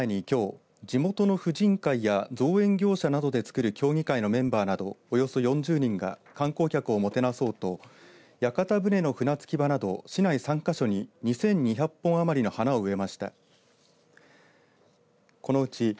これを前に、きょう地元の婦人会や造園業者などでつくる協議会のメンバーなどおよそ４０人が観光客をもてなそうと屋形船の船着き場など市内３か所に２２００本余りの花を植えました。